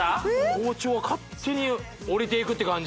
包丁が勝手に下りていくって感じ